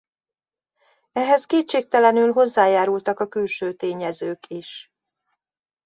Ehhez kétségtelenül hozzájárultak a külső tényezők is.